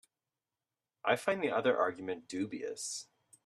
I find the other argument dubious.